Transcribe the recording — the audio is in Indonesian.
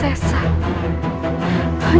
dia jahat sekali kandang